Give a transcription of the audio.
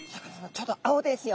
ちょうど青ですよ。